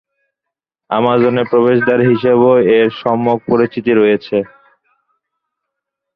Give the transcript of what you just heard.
আমাজনের প্রবেশদ্বার হিসেবেও এর সম্যক পরিচিতি রয়েছে।